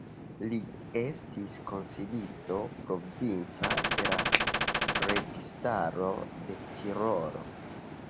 Li estis konsilisto provinca de la registaro de Tirolo.